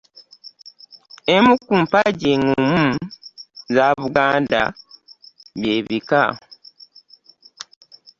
Emu ku mpagi eŋŋumu eza Buganda bye bika.